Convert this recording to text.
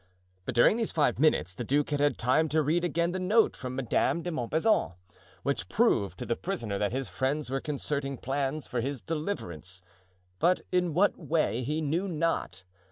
But during these five minutes the duke had had time to read again the note from Madame de Montbazon, which proved to the prisoner that his friends were concerting plans for his deliverance, but in what way he knew not.